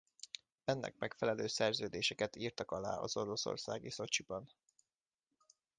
Ennek megfelelő szerződéseket írtak alá az oroszországi Szocsiban.